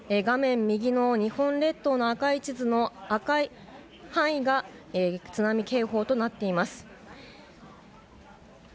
画面右の日本列島の赤い地図の赤い範囲が津波警報となっています。